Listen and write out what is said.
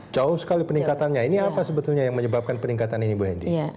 jauh sekali peningkatannya ini apa sebetulnya yang menyebabkan peningkatan ini bu hendy